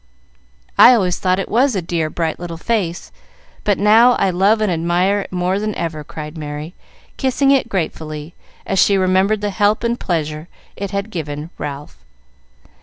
"I always thought it was a dear, bright little face, but now I love and admire it more than ever," cried Merry, kissing it gratefully, as she remembered the help and pleasure it had given Ralph.